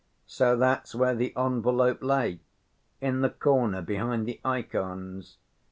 So that's where the envelope lay, in the corner behind the ikons.